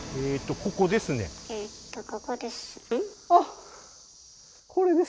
これです。